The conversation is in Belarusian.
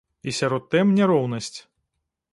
І сярод тэм няроўнасць.